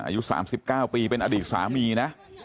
อยู่สามสิบเก้าปีเป็นอดีตสามีนะ